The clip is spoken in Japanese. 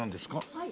はい。